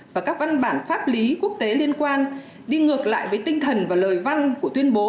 và các văn bản pháp lý quốc tế liên quan đi ngược lại với tinh thần và lời văn của tuyên bố